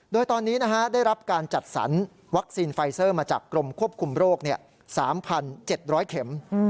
โดยตอนนี้ได้รับการจัดสรรวัคซีนไฟเซอร์มาจากกรมควบคุมโรค๓๗๐๐เข็ม